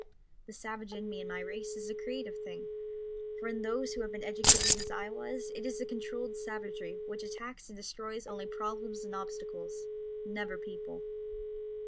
The savage in me and my race is a creative thing, for in those who have been educated as I was it is a controlled savagery which attacks and destroys only problems and obstacles, never people.